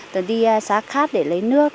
rồi đi xá khác để lấy nước